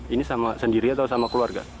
ini sendiri atau keluarga